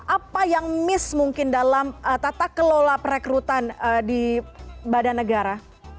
apa yang miss mungkin dalam tata kelola perekrutan di badan negara